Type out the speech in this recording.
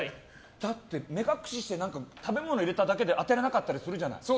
だって、目隠しして食べ物を入れて当てられなかったりするじゃない。